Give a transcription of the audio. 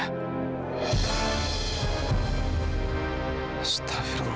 aksan yang mencari aida